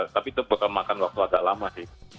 tapi itu bakal makan waktu agak lama sih